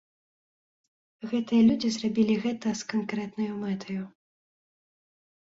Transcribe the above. Гэтыя людзі зрабілі гэта з канкрэтнаю мэтаю.